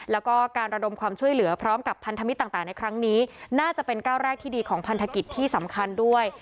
แล้วก็การระดมความช่วยเหลือพร้อมกับพันธมิตรต่างในครั้งนี้น่าจะเป็นก้าวแรกที่ดีของพันธกิจที่สำคัญด้วย